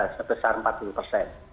sebesar empat puluh persen